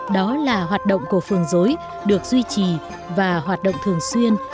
đó là hoạt động của phường dối được duy trì và hoạt động thường xuyên